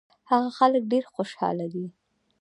هغه خلک ډېر خوشاله دي.